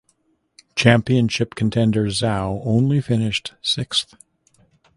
Championship contender Zhou only finished sixth.